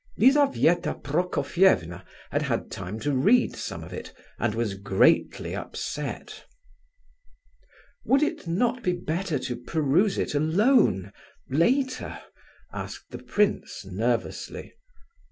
Lizabetha Prokofievna had had time to read some of it, and was greatly upset. "Would it not be better to peruse it alone... later," asked the prince, nervously.